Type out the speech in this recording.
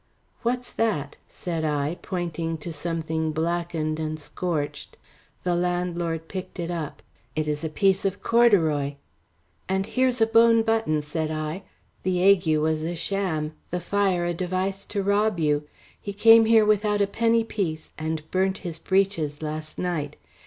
"What's that?" said I, pointing to something blackened and scorched. The landlord picked it up. "It is a piece of corduroy." "And here's a bone button," said I. "The ague was a sham, the fire a device to rob you. He came here without a penny piece and burnt his breeches last night.